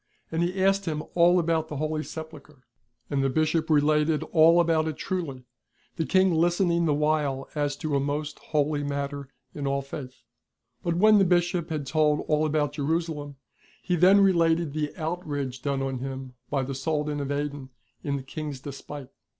And he asked him all about the Holy Sej)ulchre ; and the Bishop related all about it trvily, the King listening the while as to a most holy matter in all faitli. But when tiic Bishoj) had told all about Jerusalem, lie then related the outrage done on Chap. XXXV. VENGEANCE OF THE KING OF ABASH. 363 him by the Soldan of Aden in the King's despite.